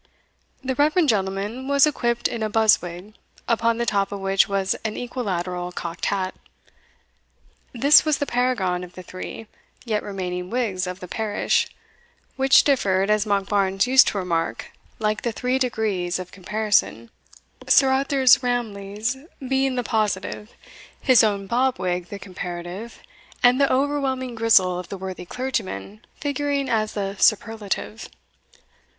The reverend gentleman was equipped in a buzz wig, upon the top of which was an equilateral cocked hat. This was the paragon of the three yet remaining wigs of the parish, which differed, as Monkbarns used to remark, like the three degrees of comparison Sir Arthur's ramilies being the positive, his own bob wig the comparative, and the overwhelming grizzle of the worthy clergyman figuring as the superlative.